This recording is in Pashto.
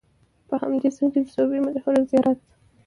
په همدې سیمه کې د سوبۍ مشهور زیارت